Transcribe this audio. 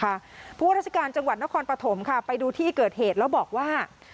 เพราะว่าราชการจังหวัดนครปฐมค่ะไปดูที่เกิดเหตุแล้วบอกว่า